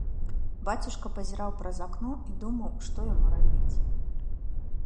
Бацюшка пазіраў праз акно і думаў, што яму рабіць.